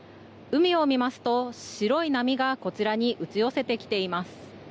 海を見ますと、白い波がこちらに打ち寄せてきています。